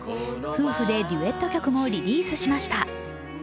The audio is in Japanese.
夫婦でデュエット曲もリリースしました。